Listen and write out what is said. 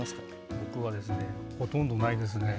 僕はですね、ほとんどないですね。